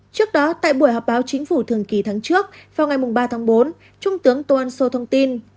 trước đó tại buổi họp báo chính phủ thường kỳ tháng trước vào ngày ba tháng bốn trung tướng tô ân sô thông tin